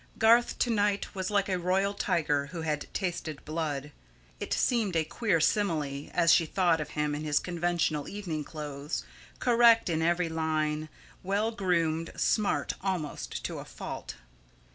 Garth, to night, was like a royal tiger who had tasted blood. It seemed a queer simile, as she thought of him in his conventional evening clothes, correct in every line, well groomed, smart almost to a fault.